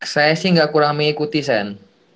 saya sih nggak kurang mengikuti sen